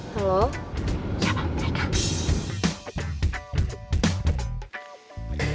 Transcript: ya bang saya kak